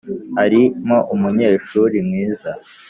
arimo umunyeshuri mwiza